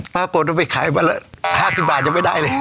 ปรากฏว่าไปขายมาละห้าสิบบาทยังไม่ได้เลย